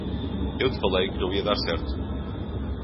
Eu te falei que não ia dar certo.